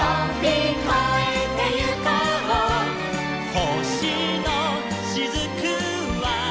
「ほしのしずくは」